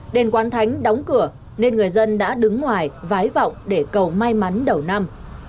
đền quán thánh đóng cửa nên người dân đã đứng ngoài vái vọng để cầu may mắn đầu năm